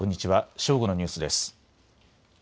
正午のニュースです。